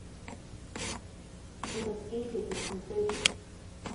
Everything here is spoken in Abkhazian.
Дзынаскьеигазеи сымҳәеит.